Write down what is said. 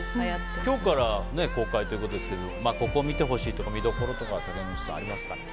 今日から公開ということですけどここ見てほしいとか見どころとかありますか。